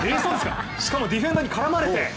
しかもディフェンダーに絡まれて。